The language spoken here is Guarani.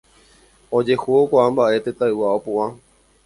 Ojehúvo ko'ã mba'e tetãygua opu'ã.